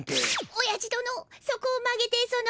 おやじ殿そこを曲げてその。